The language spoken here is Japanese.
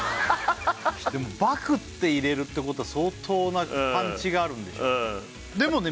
でも「爆」って入れるってことは相当なパンチがあるんでしょうねでもね